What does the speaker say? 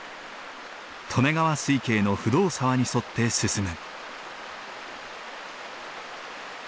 利根川水系の不動沢に沿って進む。